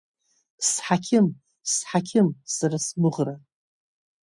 Сҳақьым, сҳақьым, сара сгәыӷра.